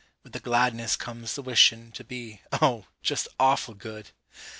With the gladness comes the wishin' To be, oh, just awful good!